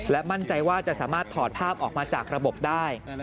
มั่นใจว่าจะสามารถถอดภาพออกมาจากระบบได้